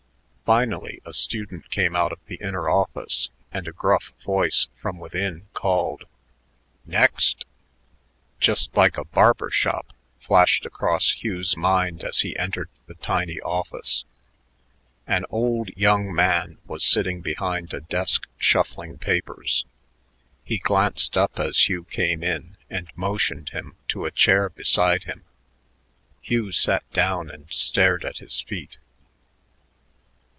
Finally a student came out of the inner office, and a gruff voice from within called, "Next!" "Just like a barber shop," flashed across Hugh's mind as he entered the tiny office. An old young man was sitting behind a desk shuffling papers. He glanced up as Hugh came in and motioned him to a chair beside him. Hugh sat down and stared at his feet.